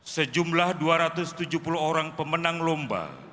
sejumlah dua ratus tujuh puluh orang pemenang lomba